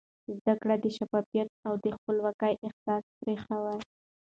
زده کړه د شفافیت او د خپلواکۍ احساس پراخوي.